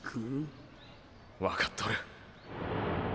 わかっとる。